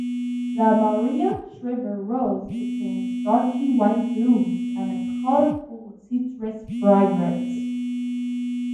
The Maria Shriver rose contains starchy-white blooms and a powerful citrus fragrance.